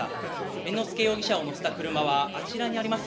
猿之助容疑者を乗せた車はあちらにあります